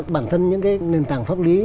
bản thân những cái nền tảng pháp lý